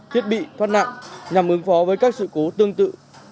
thiết bị thoát nạn nhằm ứng phó với các sự cố tương tự